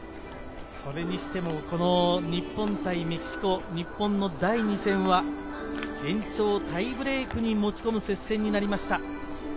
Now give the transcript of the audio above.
日本対メキシコ、日本の第２戦は延長タイブレークに持ち込む接戦となりました。